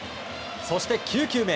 そして９球目。